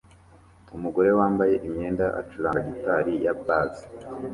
Umugore wambaye imyenda acuranga gitari ya bass